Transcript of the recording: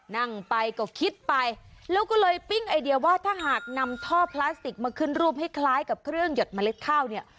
นั่งไปก็คิดไปแล้วก็เลยปิ้งไอเดียว่าถ้าหากนำท่อพลาสติกมาขึ้นรูปให้คล้ายกับเครื่องหยดเมล็ดข้าวเนี่ย